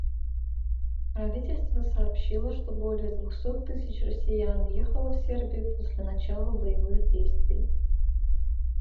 Правительство сообщило, что более двухсот тысяч россиян въехало в Сербию после начала боевых действий